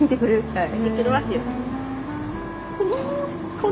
はい。